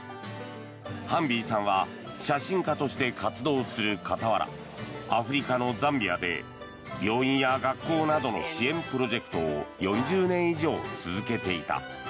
ハンビーさんは写真家として活動する傍らアフリカのザンビアで病院や学校などの支援プロジェクトを４０年以上続けていた。